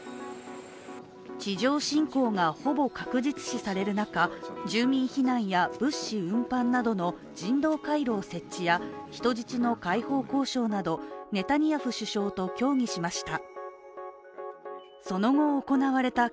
地上侵攻がほぼ確実視される中住民避難や物資運搬などの人道回廊設置や人質の解放交渉などネタニヤフ首相と協議しました。